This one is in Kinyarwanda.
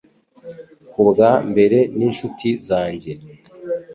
Kubwa mbere n'inshuti zanjye